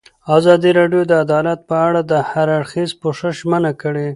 ازادي راډیو د عدالت په اړه د هر اړخیز پوښښ ژمنه کړې.